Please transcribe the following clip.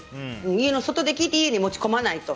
家の外で聞いて家に持ち込まないと。